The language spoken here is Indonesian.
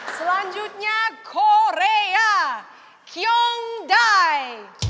selanjutnya korea kyung dai